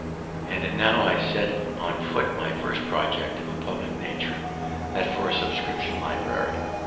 And now I set on foot my first project of a public nature, that for a subscription library.